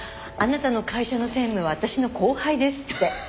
「あなたの会社の専務は私の後輩です」って。